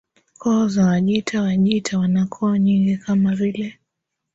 Koo za Wajita Wajita wana koo nyingi kama vile